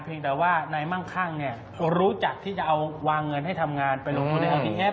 เพียงแต่ว่าในมั่งข้างรู้จักที่จะเอาวางเงินให้ทำงานไปลงทุนในรัฐพิเภส